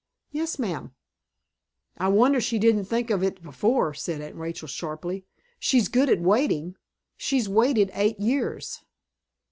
"Yes, ma'am." "I wonder she didn't think of it before," said Aunt Rachel, sharply. "She's good at waiting. She's waited eight years."